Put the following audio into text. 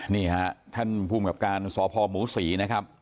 นี่ฮะท่านภูมิกับการสพหมูศรีนะครับ